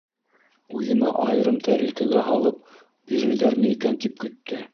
Үҙемә айырым тәрилкәгә һалып бирерҙәрме икән, тип көттө.